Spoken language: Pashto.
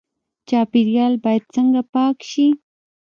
چاپیریال باید څنګه پاک شي؟